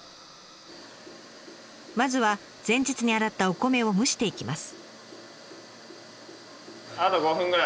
まずは前日に洗ったお米を蒸していきます。